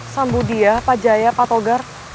sambu dia pak jaya pak togar